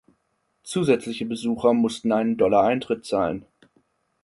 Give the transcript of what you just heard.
Zusätzliche Besucher mussten einen Dollar Eintritt zahlen.